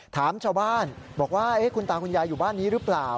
ถามชาวบ้านบอกว่าคุณตาคุณยายอยู่บ้านนี้หรือเปล่า